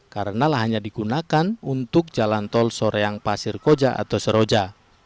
karena lahannya digunakan untuk jalan tol soreang pasir koja atau seroja